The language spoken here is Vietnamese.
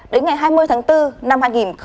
đến ngày hai mươi tháng bốn năm hai nghìn một mươi bảy